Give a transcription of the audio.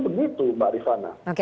begitu mbak rifana